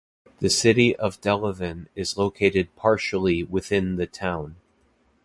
The City of Delavan is located partially within the town.